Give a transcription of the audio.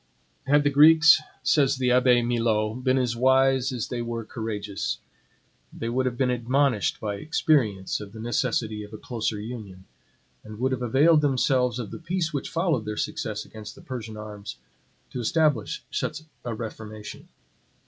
Had the Greeks, says the Abbe Milot, been as wise as they were courageous, they would have been admonished by experience of the necessity of a closer union, and would have availed themselves of the peace which followed their success against the Persian arms, to establish such a reformation.